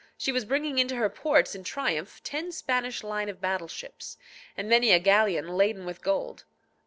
She was bringing into her ports in triumph ten Spanish line of battle ships, and many a galleon laden with gold.